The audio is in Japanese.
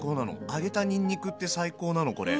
揚げたにんにくって最高なのこれ。